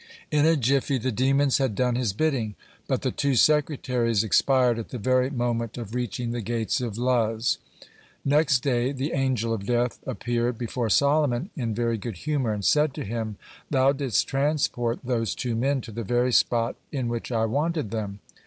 (98) In a jiffy, the demons had done his bidding, but the two secretaries expired at the very moment of reaching the gates of Luz. Next day, the Angel of Death appeared before Solomon in very good humor, and said to him: "Thou didst transport those two men to the very spot in which I wanted them."